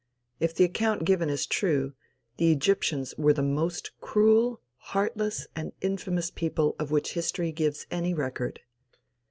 If the account given is true, the Egyptians were the most cruel, heartless and infamous people of which history gives any record.